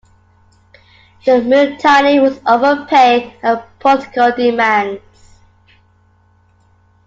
The mutiny was over pay and political demands.